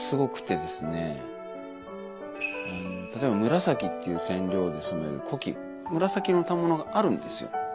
例えば紫っていう染料で染める深紫色の反物があるんですよ。